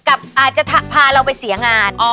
อาจจะพาเราไปเสียงาน